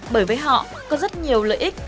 bởi với họ có rất nhiều lợi ích